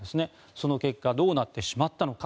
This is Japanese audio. その結果どうなってしまったのか。